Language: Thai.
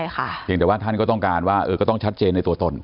เพียงแต่ว่าท่านก็ต้องการว่าก็ต้องชัดเจนในตัวตน